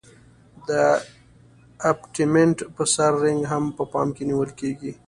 د ابټمنټ په سر رینګ هم په پام کې نیول کیږي